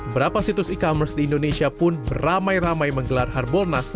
berapa situs e commerce di indonesia pun beramai ramai menggelar harbolnas